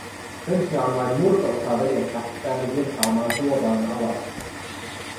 Sen sijaan vain murto-osa vedestä pääsi virtaamaan suoraan alas.